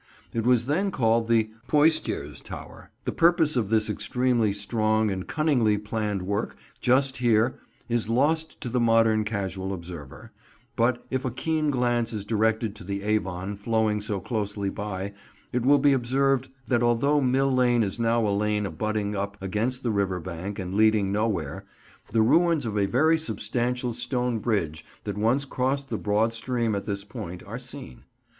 It was then called the Poictiers Tower. The purpose of this extremely strong and cunningly planned work just here is lost to the modern casual observer, but if a keen glance is directed to the Avon flowing so closely by, it will be observed that although Mill Lane is now a lane butting up against the river bank and leading nowhere, the ruins of a very substantial stone bridge that once crossed the broad stream at this point are seen.